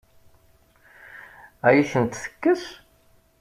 Ad iyi-ten-tekkes?